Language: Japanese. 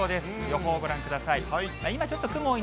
予報をご覧ください。